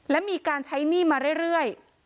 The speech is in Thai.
และมีการใช้หนี้มาเรื่อย